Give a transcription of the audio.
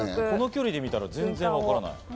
この距離で見たら全然わからない。